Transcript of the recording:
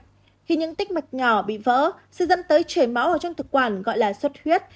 khi những tích mạch nhỏ bị vỡ sẽ dẫn tới chảy máu ở trong thực quản gọi là suất huyết